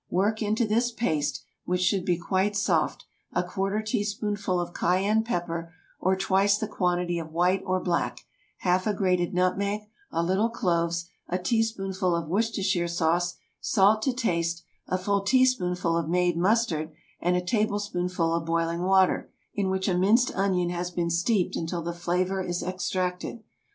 Work into this paste, which should be quite soft, a quarter teaspoonful of cayenne pepper, or twice the quantity of white or black, half a grated nutmeg, a little cloves, a teaspoonful of Worcestershire sauce, salt to taste, a full teaspoonful of made mustard, and a tablespoonful of boiling water, in which a minced onion has been steeped until the flavor is extracted.